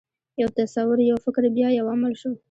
یو تصور، یو فکر، بیا یو عمل شو.